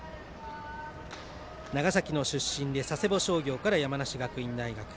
長崎の出身で佐世保商業から山梨学院大学。